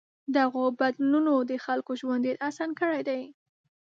دغو بدلونونو د خلکو ژوند ډېر آسان کړی دی.